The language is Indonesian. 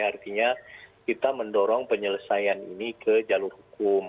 artinya kita mendorong penyelesaian ini ke jalur hukum